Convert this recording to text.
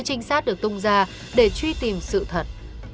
các mũi trinh sát được tung ra để truy tìm sự thật